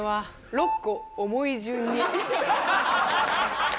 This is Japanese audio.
「６個、重い順に」